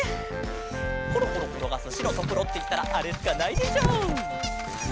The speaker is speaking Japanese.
コロコロころがすしろとくろっていったらあれしかないでしょ！